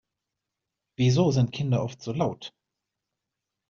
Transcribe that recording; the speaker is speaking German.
Wieso sind Kinder oft so laut?